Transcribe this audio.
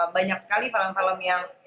banyak sekali film film yang